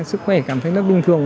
sức khỏe cảm thấy rất bình thường